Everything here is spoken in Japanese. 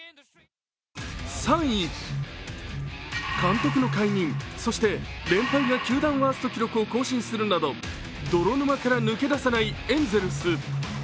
３位、監督の解任、そして連敗が球団ワースト記録を更新するなど、泥沼から抜け出せない、エンゼルス